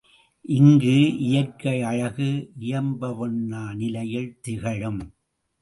இங்கு இயற்கை அழகு இயம்பவொண்ணா நிலையில் திகழும்.